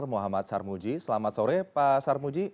muhammad sarmuji selamat sore pak sarmuji